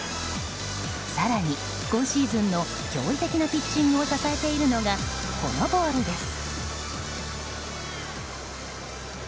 更に、今シーズンの驚異的なピッチングを支えているのがこのボールです。